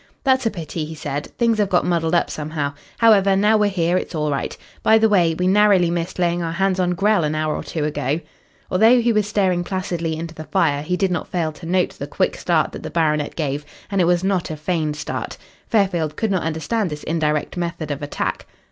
"That's a pity," he said. "Things have got muddled up somehow. However, now we're here it's all right. By the way, we narrowly missed laying our hands on Grell an hour or two ago." Although he was staring placidly into the fire he did not fail to note the quick start that the baronet gave. And it was not a feigned start. Fairfield could not understand this indirect method of attack.